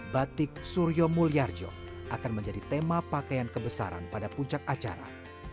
batik suryo mulyarjo akan menjadi tema pakaian kebesaran pada puncak acara